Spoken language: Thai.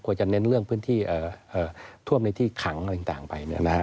จะเน้นเรื่องพื้นที่ท่วมในที่ขังอะไรต่างไป